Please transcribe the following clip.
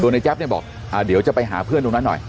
ในแจ๊บเนี่ยบอกเดี๋ยวจะไปหาเพื่อนตรงนั้นหน่อย